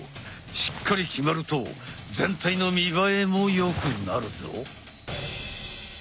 しっかり決まると全体の見栄えも良くなるぞ！